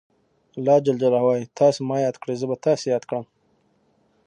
الله ج وایي تاسو ما یاد کړئ زه به تاسې یاد کړم.